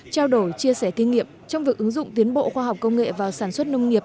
trao đổi chia sẻ kinh nghiệm trong việc ứng dụng tiến bộ khoa học công nghệ vào sản xuất nông nghiệp